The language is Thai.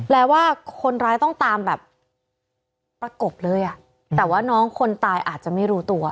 แล้วว่าคนร้ายต้องตามแบบประกบเลยอ่ะแต่ว่าน้องคนตายอาจจะไม่รู้ตัว